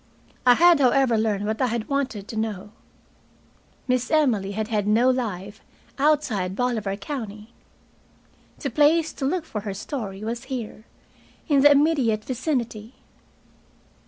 I had, however, learned what I had wanted to know. Miss Emily had had no life outside Bolivar County. The place to look for her story was here, in the immediate vicinity.